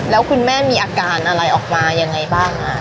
แล้วคุณแม่มีอาการอะไรออกมายังไงบ้าง